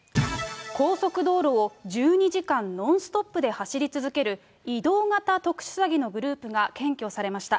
高速道路を１２時間ノンストップで走り続ける移動型特殊詐欺のグループが検挙されました。